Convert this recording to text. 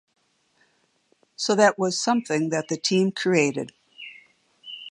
So that was something that the team created.